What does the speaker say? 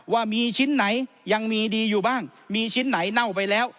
ว่ามีชิ้นไหนยังมีดีอยู่บ้างมีชิ้นไหนเน่าไปแล้ว